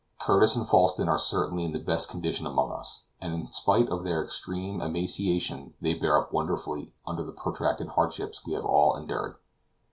Curtis and Falsten are certainly in the best condition among us, and in spite of their extreme emaciation they bear up wonderfully under the protracted hardships we have all endured.